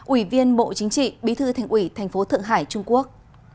ủy viên bộ chính trị bí thư thành ủy thành phố thượng hải trung quốc